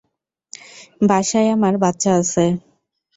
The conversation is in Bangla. বাসায় আমার বাচ্চা আছে!